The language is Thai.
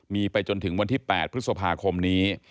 มีไปจนถึงวันที่๘พฤษภาคมนี้